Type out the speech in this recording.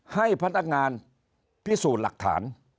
ให้พนักงานพิสูจน์หลักฐาน